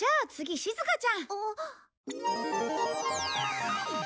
しずかちゃん